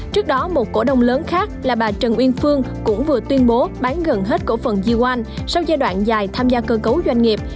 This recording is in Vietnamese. trước đó một cổ đông lớn khác là bà trần uyên phương cũng vừa tuyên bố bán gần hết cổ phần di oan sau giai đoạn dài tham gia cơ cấu doanh nghiệp